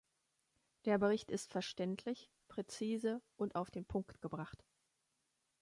Der Bericht ist verständlich, präzise und auf den Punkt gebracht.